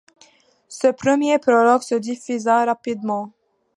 Ce premier Prolog se diffusa rapidement.